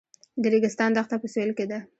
د ریګستان دښته په سویل کې ده